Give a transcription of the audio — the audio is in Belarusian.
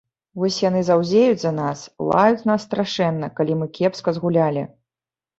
Вось яны заўзеюць за нас, лаюць нас страшэнна, калі мы кепска згулялі.